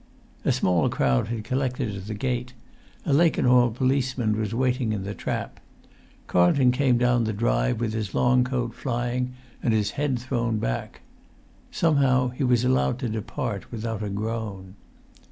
A small crowd had collected at the gate; a Lakenhall policeman was waiting in the trap. Carlton came down the drive with his long coat flying and his head thrown back. Somehow he was allowed to depart without a groan.